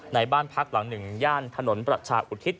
ในบ้านพักหลังหนึ่งย่านถนนประชาอุทิศ